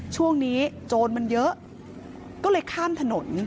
ช่วงนี้โจรมันเยอะก็เลยข้ามถนน